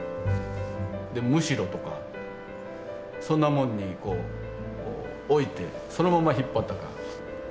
でむしろとかそんなもんに置いてそのまま引っ張ったか。